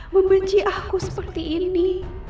membenci aku seperti ini